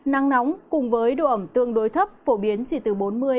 nắng nóng cùng với độ ẩm tương đối thấp phổ biến chỉ từ bốn mươi năm mươi